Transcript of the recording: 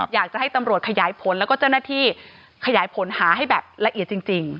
อยากจะให้ตำรวจขยายผลแล้วก็เจ้าหน้าที่ขยายผลหาให้แบบละเอียดจริง